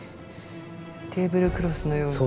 テーブルクロスのように。